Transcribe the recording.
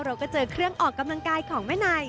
เราก็เจอเครื่องออกกำลังกายของแม่นาย